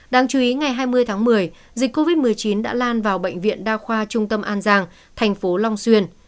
đáng chú ý ngày hai mươi tháng một mươi dịch covid một mươi chín đã lan vào bệnh viện đa khoa trung tâm an giang thành phố long xuyên